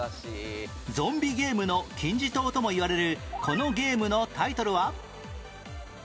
ゾンビゲームの金字塔ともいわれるこのゲームのタイトルは？